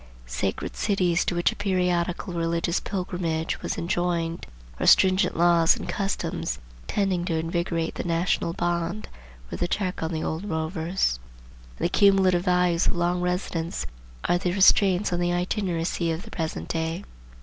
Sacred cities, to which a periodical religious pilgrimage was enjoined, or stringent laws and customs, tending to invigorate the national bond, were the check on the old rovers; and the cumulative values of long residence are the restraints on the itineracy of the present day.